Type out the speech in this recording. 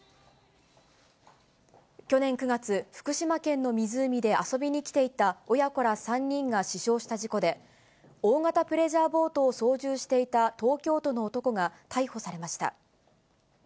去年９月、福島県の湖で遊びに来ていた親子ら３人が死傷した事故で、大型プレジャーボートを操縦していた東京都の男が逮捕されました。